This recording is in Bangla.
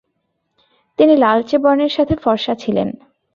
তিনি লালচে বর্ণের সাথে ফর্সা ছিলেন।